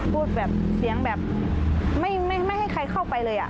พูดแบบเสียงแบบไม่ไม่ไม่ให้ใครเข้าไปเลยอ่ะ